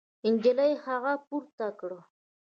نجلۍ هغه پورته کړ.